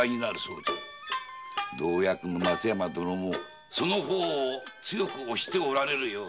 同役の松山殿もその方を強く推しておられるようじゃ。